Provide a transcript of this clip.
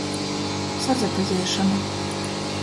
Sasapazeišona.